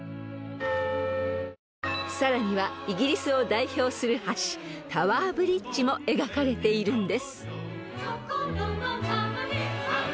［さらにはイギリスを代表する橋タワーブリッジも描かれているんです］